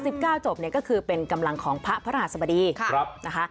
สิบเก้าจบเนี่ยก็คือเป็นกำลังของพระพระราชสบดีค่ะครับนะคะ